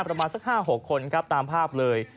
ประมาณสัก๕๖คนครับตามภาพเลย